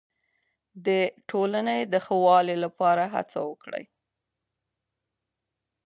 د ټولنې د ښه والي لپاره هڅه وکړئ.